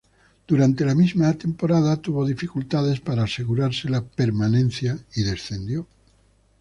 Durante la misma temporada tuvo dificultades para asegurarse la permanencia y descendió.